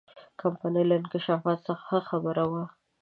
کمپنۍ له انکشافاتو څخه ښه خبره وه.